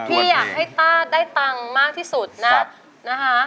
พี่อยากให้ต้าได้ตังค์มากที่สุดนะนะคะ